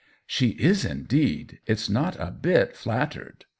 " She is indeed — it's not a bit flattered."